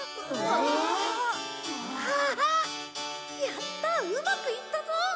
やったうまくいったぞ！